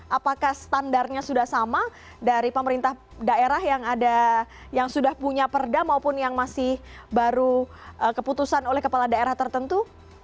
apakah standarnya sudah sama dari pemerintah daerah yang sudah punya perda maupun yang masih baru keputusan oleh kepala daerah tertentu